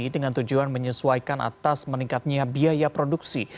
dengan tujuan menyesuaikan atas meningkatnya biaya produksi